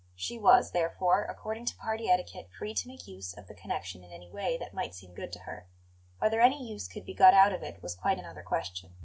She was, therefore, according to party etiquette, free to make use of the connexion in any way that might seem good to her. Whether any use could be got out of it was quite another question.